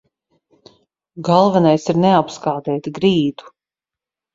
Galvenais ir neapskādēt grīdu.